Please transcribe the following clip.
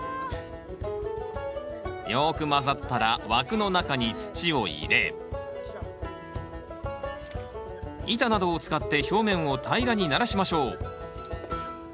よく混ざったら枠の中に土を入れ板などを使って表面を平らにならしましょう